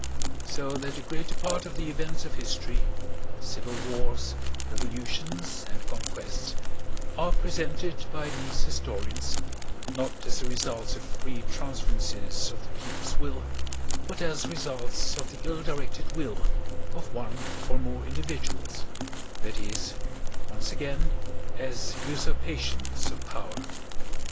So that the greater part of the events of history—civil wars, revolutions, and conquests—are presented by these historians not as the results of free transferences of the people's will, but as results of the ill directed will of one or more individuals, that is, once again, as usurpations of power.